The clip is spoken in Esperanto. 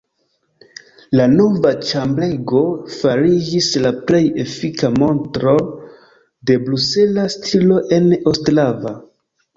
La nova ĉambrego fariĝis la plej efika montro de brusela stilo en Ostrava.